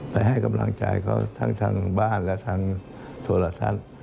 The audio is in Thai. ให้กำลังใจเขาทั้งบ้านและทางโทรศัพท์